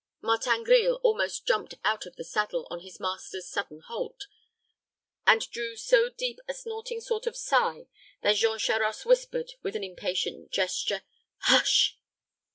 Martin Grille almost jumped out of the saddle, on his master's sudden halt, and drew so deep a snorting sort of sigh that Jean Charost whispered, with an impatient gesture, "Hush!"